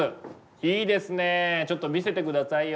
いいですねちょっと見せて下さいよ。